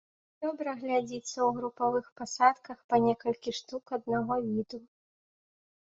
Добра глядзіцца ў групавых пасадках па некалькі штук аднаго віду.